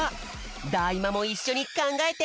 ＤＡ−ＩＭＡもいっしょにかんがえて。